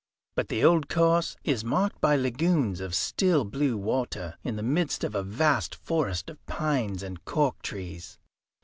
But the old course is marked by lagoons of still blue water in the midst of a vast forest of pines and cork trees.